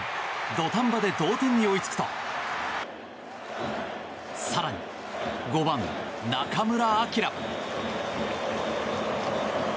土壇場で同点に追いつくと更に５番、中村晃。